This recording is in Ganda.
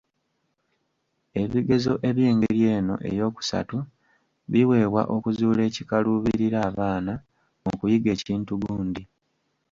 Ebigezo eby'engeri eno eyookusatu biweebwa okuzuula ekikaluubirira abaana mu kuyiga ekintu gundi.